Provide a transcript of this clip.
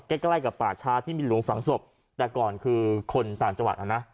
ใกล้ใกล้กับป่าช้าที่มีหลวงฝังศพแต่ก่อนคือคนต่างจังหวัดนะ